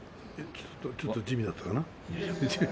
ちょっと地味だったかな。